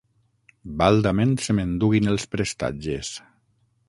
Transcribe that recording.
Baldament se m'enduguin els prestatges